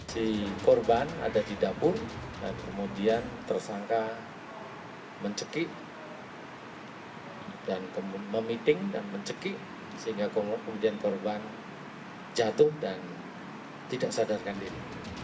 si korban ada di dapur dan kemudian tersangka mencekik dan memiting dan mencekik sehingga kemudian korban jatuh dan tidak sadarkan diri